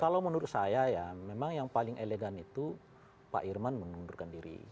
kalau menurut saya ya memang yang paling elegan itu pak irman mengundurkan diri